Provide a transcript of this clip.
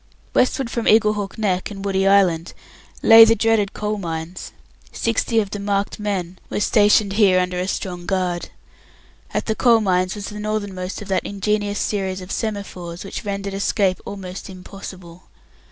Westward from Eaglehawk Neck and Woody Island lay the dreaded Coal Mines. Sixty of the "marked men" were stationed here under a strong guard. At the Coal Mines was the northernmost of that ingenious series of semaphores which rendered escape almost impossible.